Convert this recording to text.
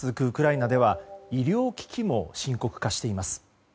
ウクライナでは医療機器も深刻化しています。